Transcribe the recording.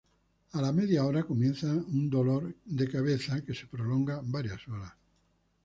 A la media hora comienza en dolor de cabeza que se prolonga varias horas.